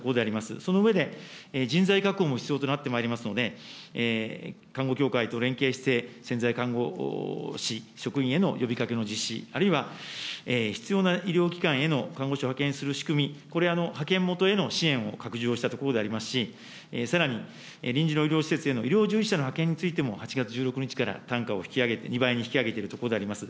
その上で、人材確保も必要となってまいりますので、看護協会と連携して、潜在看護師、職員への呼びかけの実施、あるいは必要な医療機関への看護師を派遣する仕組み、これ、派遣元への支援を拡充をしたところでありますし、さらに、臨時の医療施設への医療従事者の派遣についても、８月１６日から単価を引き上げて、２倍に引き上げているところであります。